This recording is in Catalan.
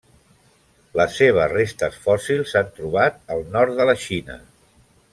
Les seves restes fòssils s'han trobat al nord de la Xina.